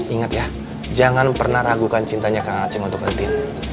ingat ya jangan pernah ragukan cintanya kak ngaceng untuk entin